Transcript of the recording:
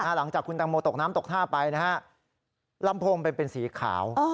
หลังจากคุณตังโมตกน้ำตกท่าไปนะฮะลำโพงเป็นสีขาว